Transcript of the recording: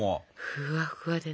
ふわふわでね。